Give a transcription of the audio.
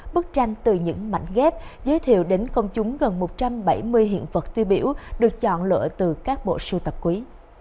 bức tranh từ những mảnh ghép giới thiệu đến công chúng gần một trăm bảy mươi hiện vật tiêu biểu được chọn lựa từ các bộ sưu tập quý